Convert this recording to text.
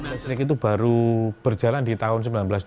listrik itu baru berjalan di tahun seribu sembilan ratus dua puluh